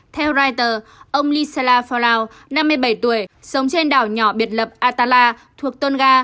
theo reuters ông lisela falao năm mươi bảy tuổi sống trên đảo nhỏ biệt lập atala thuộc tôn ga